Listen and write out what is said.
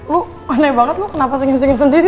lu aneh banget lu kenapa singin singin sendiri